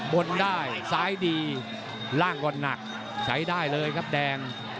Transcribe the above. บนได้ซ้ายดีล่างก็หนักใช้ได้เลยครับแดง